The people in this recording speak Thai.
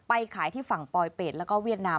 ไปขายที่ฝั่งปลอยเป็ดแล้วก็เวียดนาม